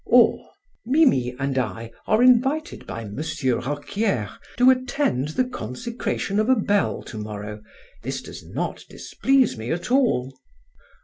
Or: Mimi and I are invited by Monsieur Roquiers to attend the consecration of a bell tomorrow. This does not displease me at all.